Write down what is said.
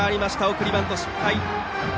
送りバント失敗。